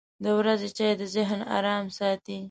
• د ورځې چای د ذهن ارام ساتي.